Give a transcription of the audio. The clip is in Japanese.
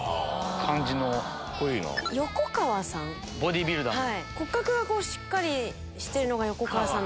ボディービルダーの。